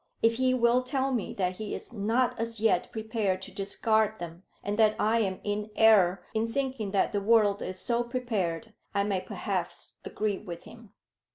If he will tell me that he is not as yet prepared to discard them, and that I am in error in thinking that the world is so prepared, I may perhaps agree with him.